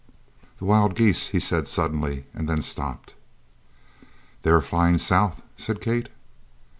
"The wild geese " he said suddenly, and then stopped. "They are flying south?" said Kate.